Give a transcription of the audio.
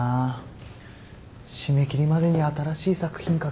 締め切りまでに新しい作品書かなきゃな。